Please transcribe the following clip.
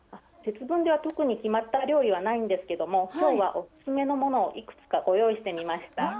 節分では特に決まった料理はないんですけれども、きょうはお勧めのものをいくつかご用意してみました。